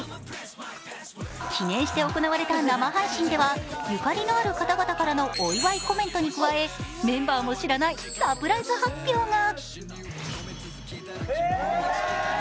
記念して行われた生配信では、ゆかりのある方々からのお祝いコメントに加え、メンバーも知らないサプライズ発表が。